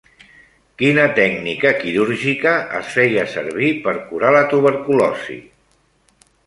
Quina tècnica quirúrgica es feia servir per curar la tuberculosi?